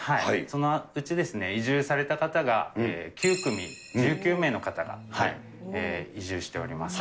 そのうち移住された方が９組１９名の方が移住しております。